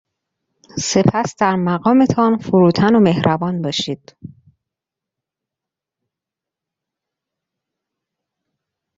سپس در مقامتان فروتن و مهربان باشید.